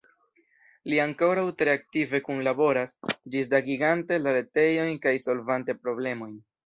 Li ankoraŭ tre aktive kunlaboras, ĝisdatigante la retejon kaj solvante problemojn.